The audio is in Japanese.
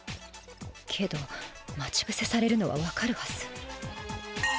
けど待ちぶせされるのは分かるはず。